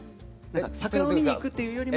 桜を見に行くというよりも。